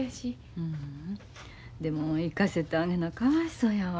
うんでも行かせてあげなかわいそうやわ。